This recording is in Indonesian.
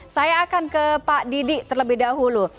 saya akan ke pak didi terlebih dahulu